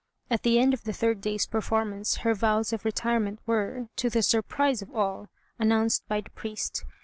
At the end of the third day's performance her vows of retirement were, to the surprise of all, announced by the priest.